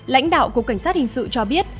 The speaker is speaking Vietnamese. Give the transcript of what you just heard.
lãnh đạo cục cảnh sát hình sự cho biết